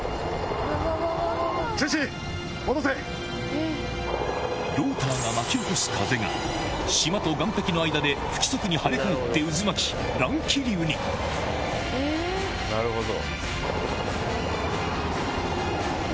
うわっ⁉ローターが巻き起こす風が島と岸壁の間で不規則に跳ね返って渦巻きなるほど。